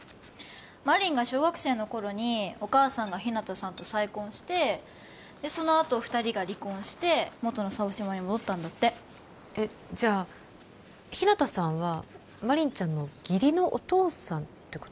真凛が小学生の頃にお母さんが日向さんと再婚してでそのあと２人が離婚して元の沢島に戻ったんだってえっじゃあ日向さんは真凛ちゃんの義理のお父さんってこと？